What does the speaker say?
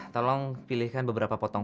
tolong pilihkan beberapa potong